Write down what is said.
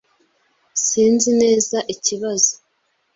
Sinzi neza ikibazo.